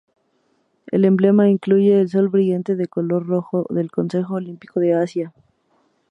El emblema incluye el sol brillante de color rojo del Consejo Olímpico de Asia.